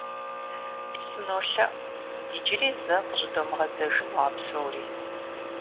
СынолъэӀу иджыри зэ къыщӀыдомыгъэдзэжыну а псори.